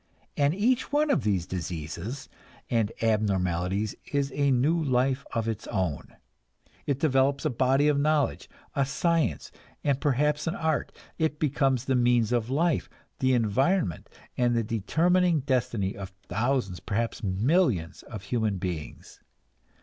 And each one of these diseases and abnormalities is a new life of its own; it develops a body of knowledge, a science, and perhaps an art; it becomes the means of life, the environment and the determining destiny of thousands, perhaps millions, of human beings.